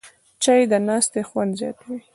چای د ناستې خوند زیاتوي